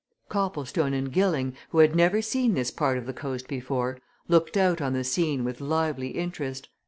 Copplestone and Gilling, who had never seen this part of the coast before, looked out on the scene with lively interest.